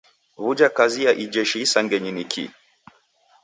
W'uja kazi ya ijeshi isangenyi ni kii?